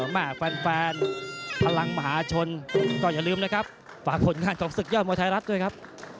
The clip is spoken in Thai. แม่แฟนพลังมหาชนก็อย่าลืมนะครับฝากผลงานของศึกยอดมวยไทยรัฐด้วยครับ